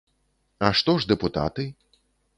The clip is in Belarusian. А што ж дэпутаты?